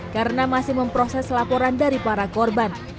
karena masih memproses laporan dari para korban